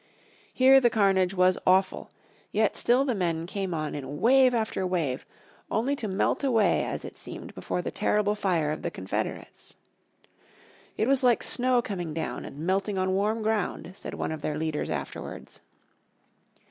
Here the carnage was awful, yet still the men came on in wave after wave, only to melt away as it seemed before the terrible fire of the Confederates. "It was like snow coming down and melting on warm ground," said one of their leaders afterwards.